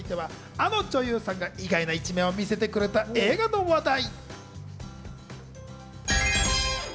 あの女優さんが意外な一面を見せてくれた映画の話題。